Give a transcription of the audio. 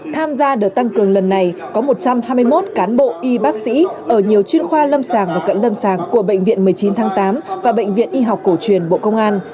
tham gia đợt tăng cường lần này có một trăm hai mươi một cán bộ y bác sĩ ở nhiều chuyên khoa lâm sàng và cận lâm sàng của bệnh viện một mươi chín tháng tám và bệnh viện y học cổ truyền bộ công an